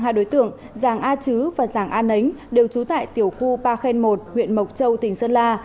hai đối tượng giàng a chứ và giàng a nấnh đều trú tại tiểu khu ba khen một huyện mộc châu tỉnh sơn la